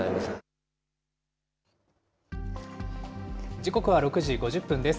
時刻は６時５０分です。